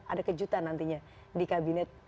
ada kejutan nantinya di kabinet